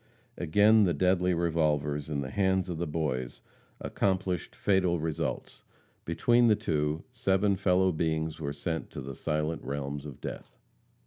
Again the deadly revolvers, in the hands of the boys, accomplished fatal results. Between the two, seven fellow beings were sent to the silent realms of death.